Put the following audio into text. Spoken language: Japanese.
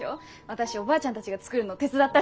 私おばあちゃんたちが作るの手伝ったし。